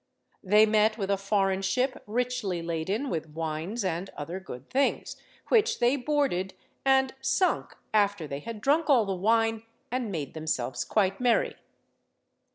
They met with a foreign ship richly laden with wines and other good things, which they boarded, and sunk after they had drunk all the wine and made themselves quite merry.